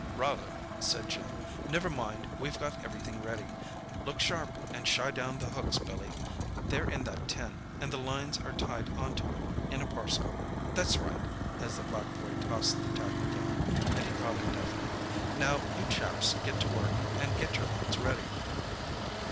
"Rather," said Jim. "Never mind, we've got everything ready. Look sharp and shy down the hooks, Billy—they're in that tin, and the lines are tied on to it, in a parcel. That's right," as the black boy tossed the tackle down and he caught it deftly. "Now, you chaps, get to work, and get your lines ready."